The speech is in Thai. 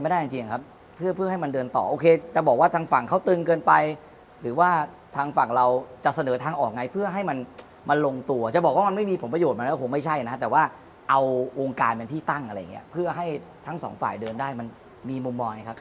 แต่ว่าเอาวงการเป็นที่ตั้งอะไรอย่างนี้เพื่อให้ทั้งสองฝ่ายเดินได้มันมีมุมมองอย่างนี้ครับ